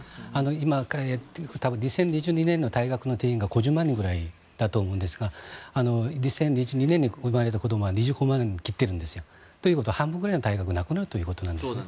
今、２０２２年の大学の定員が５０万人ぐらいだと思うんですが２０２２年に生まれた子供は２５万人を切ってるんですよ。ということは半分くらいの大学がなくなるということなんです。